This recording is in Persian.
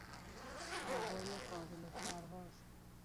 هوای قابل پرواز